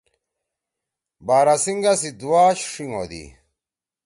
باراسِنگا سی دُوآش ݜیِنگ ہودی۔